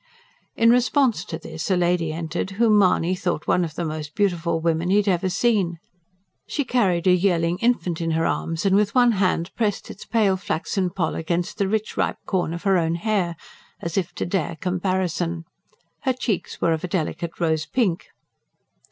In response to this a lady entered, whom Mahony thought one of the most beautiful women he had ever seen. She carried a yearling infant in her arms, and with one hand pressed its pale flaxen poll against the rich, ripe corn of her own hair, as if to dare comparison. Her cheeks were of a delicate rose pink.